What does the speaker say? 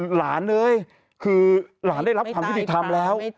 หลานเลยคือหลานได้รับความที่ที่ทำแล้ว